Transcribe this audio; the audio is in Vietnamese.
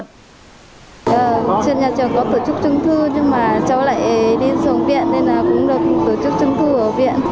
trên nhà trường có tổ chức trung cư nhưng mà cháu lại đi xuống viện nên là cũng được tổ chức trung cư ở viện